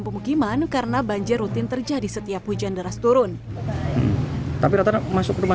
pemukiman karena banjir rutin terjadi setiap hujan deras turun tapi rata masuk rumah